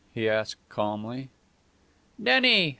he asked, calmly. "Denny?